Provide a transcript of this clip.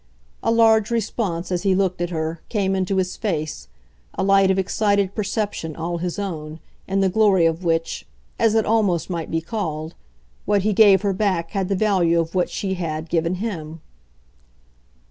A large response, as he looked at her, came into his face, a light of excited perception all his own, in the glory of which as it almost might be called what he gave her back had the value of what she had, given him.